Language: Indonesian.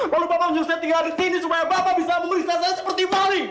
lalu bapak menyusahkan tinggal di sini supaya bapak bisa memeriksa saya seperti maling